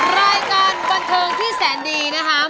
รายการบันเทิงที่แสนดีนะคะ